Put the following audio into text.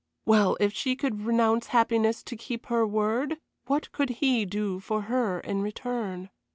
Well, if she could renounce happiness to keep her word, what could he do for her in return?